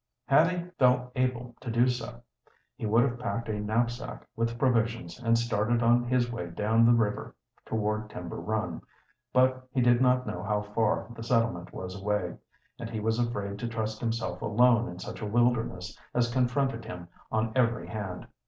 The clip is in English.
Had he felt able to do so, he would have packed a knapsack with provisions and started oh his way down the river toward Timber Run. But he did not know how far the settlement was away, and he was afraid to trust himself alone in such a wilderness as confronted him on every hand.